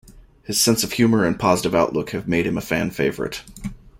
His sense of humor and positive outlook have made him a fan favorite.